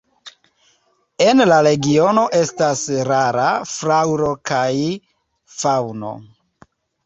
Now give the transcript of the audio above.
En la regiono estas rara flaŭro kaj faŭno.